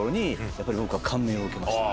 やっぱり僕は感銘を受けました。